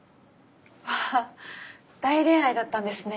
わあ大恋愛だったんですね。